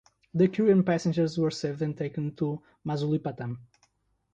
The crew and passengers were saved and taken to Masulipatam.